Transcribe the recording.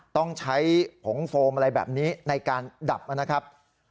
ต้องใช้ผงโฟมอะไรแบบนี้ในการดับนะครับ